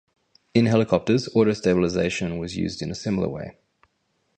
In helicopters, auto-stabilization was used in a similar way.